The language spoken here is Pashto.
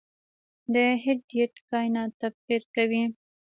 د هیټ ډیت کائنات تبخیر کوي.